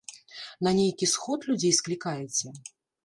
На нейкі сход людзей склікаеце?